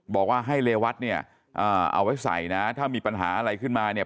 บอกว่าให้เรวัตเนี่ยเอาไว้ใส่นะถ้ามีปัญหาอะไรขึ้นมาเนี่ย